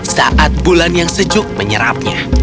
saat bulan sejuk menyerapnya